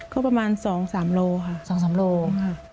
ก็ประมาณสองสามโลค่ะ